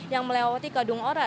yang melewati kadungora